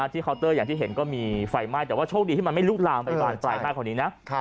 เคาน์เตอร์อย่างที่เห็นก็มีไฟไหม้แต่ว่าโชคดีที่มันไม่ลุกลามไปบานปลายมากกว่านี้นะ